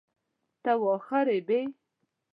ته واخه ریبې؟